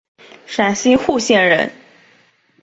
陕西户县人。